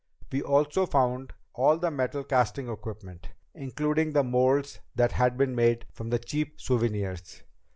We also found all the metal casting equipment, including the molds that had been made from the cheap souvenirs.